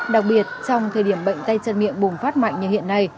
đặc biệt trong thời điểm bệnh tay chân miệng bùng phát mạnh như hiện nay